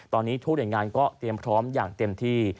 ตอนนี้ทุกหน่วยงานก็เตรียมพร้อมอย่างเต็มที่